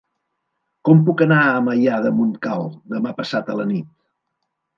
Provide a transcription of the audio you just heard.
Com puc anar a Maià de Montcal demà passat a la nit?